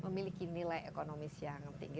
memiliki nilai ekonomis yang tinggi